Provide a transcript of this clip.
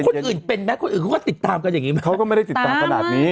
คนอื่นเป็นไหมคนอื่นเขาก็ติดตามกันอย่างนี้ไหมเขาก็ไม่ได้ติดตามขนาดนี้